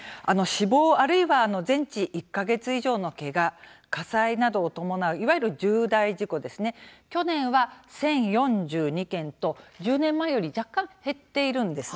死亡、あるいは全治１か月以上のけが火災などを伴ういわゆる重大事故去年は１０４２件と１０年前より若干、減っているんです。